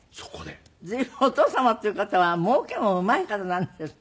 随分お父様っていう方はもうけもうまい方なんですね。